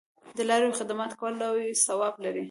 د لارویانو خدمت کول لوی ثواب لري.